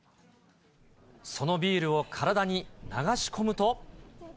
そのビールを体に流し込むと。